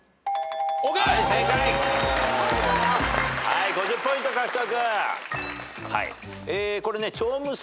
はい５０ポイント獲得。